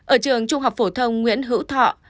ở trường trung học phổ thông nguyễn hữu thọ